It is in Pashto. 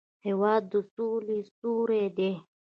هېواد د سولې سیوری دی.